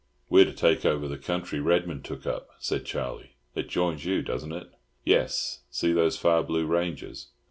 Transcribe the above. "We're to take over the country Redman took up," said Charlie. "It joins you doesn't it?" "Yes. See those far blue ranges?